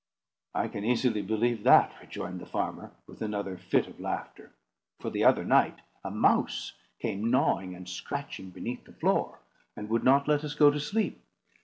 "I can easily believe that," rejoined the farmer, with another fit of laughter; "for, the other night, a mouse came gnawing and scratching beneath the floor, and would not let us go to sleep.